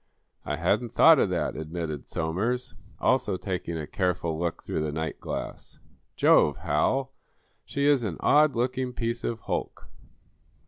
"I hadn't thought of that," admitted Somers, also taking a careful look through the nightglass. "Jove, Hal, she is an odd looking piece of hulk."